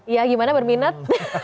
ya gimana berminat